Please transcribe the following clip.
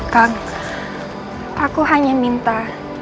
kang aku hanya minta